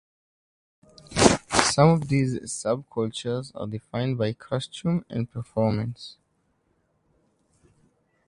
Some of these sub-cultures are defined by costume and performance.